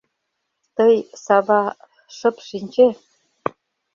— Тый, Сава, шып шинче...